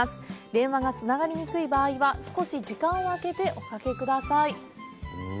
電話がつながりにくい場合は少し時間を空けておかけください。